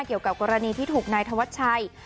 เกี่ยวกับกรณีที่ถูกณธวรรษชัย